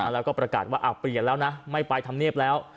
แล้วก็ประกาศว่าเปลี่ยนแล้วนะไม่ไปทำเนียบแล้ว